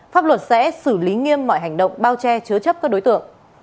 pháp luật sẽ xử lý nghiêm mọi hành động bao che chứa chấp các đối tượng